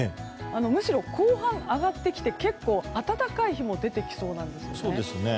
むしろ後半上がってきて暖かい日も出てきそうです。